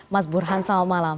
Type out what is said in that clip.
mas burhan selamat malam